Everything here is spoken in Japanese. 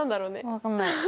分かんない。